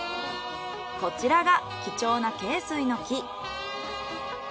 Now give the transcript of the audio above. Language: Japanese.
こちらが貴重な恵水の木。